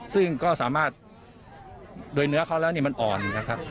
ซึ่งก็สามารถโดยเนื้อเขาแล้วมันอ่อนนะครับ